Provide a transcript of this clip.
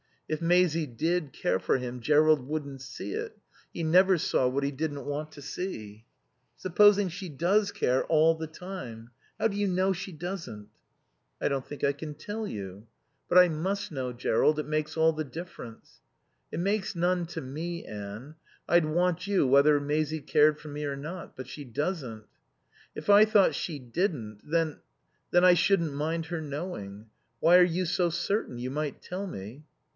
If Maisie did care for him Jerrold wouldn't see it. He never saw what he didn't want to see. "Supposing she does care all the time? How do you know she doesn't?" "I don't think I can tell you." "But I must know, Jerrold. It makes all the difference." "It makes none to me, Anne. I'd want you whether Maisie cared for me or not. But she doesn't." "If I thought she didn't then then I shouldn't mind her knowing. Why are you so certain? You might tell me."